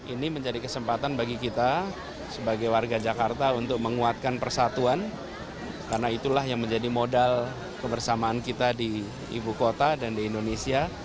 ini menjadi kesempatan bagi kita sebagai warga jakarta untuk menguatkan persatuan karena itulah yang menjadi modal kebersamaan kita di ibu kota dan di indonesia